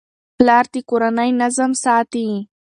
پلار د کورنۍ نظم ساتي.